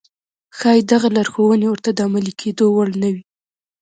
ښايي دغه لارښوونې ورته د عملي کېدو وړ نه وي.